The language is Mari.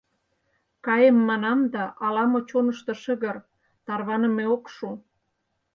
Каем манам да, ала-мо чонышто шыгыр, тарваныме ок шу.